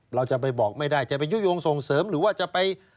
เราจะไปบอกไม่ได้จะไปยุโยงส่งเสริมหรือว่าจะไป